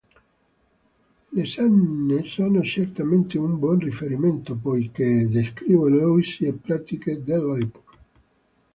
Le saghe sono certamente un buon riferimento, poiché descrivono usi e pratiche dell'epoca.